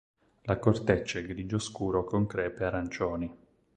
La corteccia è grigio scuro con crepe arancioni.